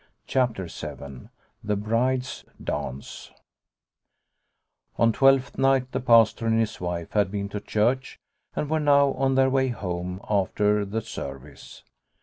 CHAPTER VII THE BRIDE'S DANCE ON Twelfth Night the Pastor and his wife had been to church, and were now on their way home after the service.